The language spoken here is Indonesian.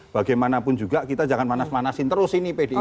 bagaimanapun juga kita jangan manas manasin terus ini pdi perjuangan